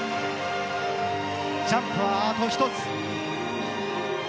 ジャンプはあと１つ。